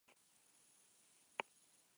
Dena kontsumitzaileak amua irents dezan.